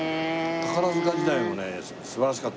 宝塚時代もね素晴らしかったんだよね。